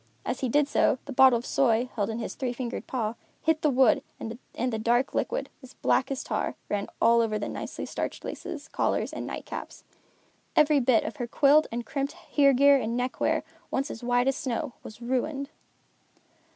As he did so, the bottle of soy, held in his three fingered paw, hit the wood and the dark liquid, as black as tar, ran all over the nicely starched laces, collars and nightcaps. Every bit of her quilled and crimped hear gear and neckwear, once as white as snow, was ruined.